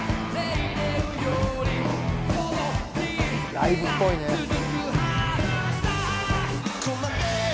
ライブっぽいね。